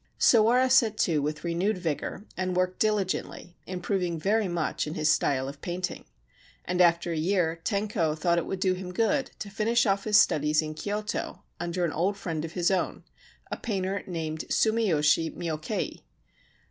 Sawara set to with renewed vigour, and worked diligently, improving very much in his style of painting ; and after a year Tenko thought it would do him good to finish off his studies in Kyoto under an old friend of his own, a painter named Sumiyoshi Myokei.